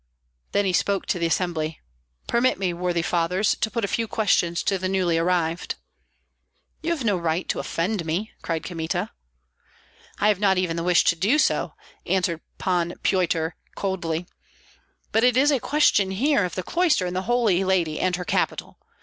Then he spoke to the assembly, "Permit me, worthy fathers, to put a few questions to the newly arrived." "You have no right to offend me," cried Kmita. "I have not even the wish to do so," answered Pan Pyotr, coldly; "but it is a question here of the cloister and the Holy Lady and Her capital.